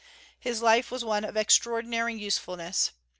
His life was one of extraordinary usefulness.